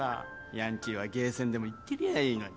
ヤンキーはゲーセンでも行ってりゃいいのに